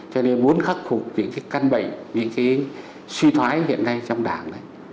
cho nên muốn khắc phục những cái căn bệnh những cái suy thoái hiện nay trong đảng